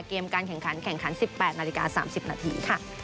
เกมการแข่งขัน๑๘นาฬิกา๓๐นาที